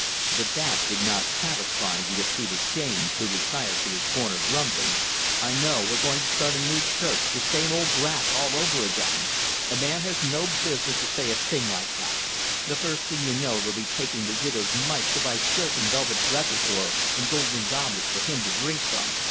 But that did not satisfy the ascetic James, who retired to his corner grumbling. "I know, we're going to start a new church the same old graft all over again! A man has no business to say a thing like that. The first thing you know, they'll be taking the widow's mite to buy silk and velvet dresses for him and golden goblets for him to drink from!